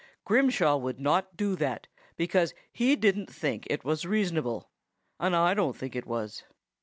Grimshaw would not do that, because he didn't think it was reasonable; and I don't think it was.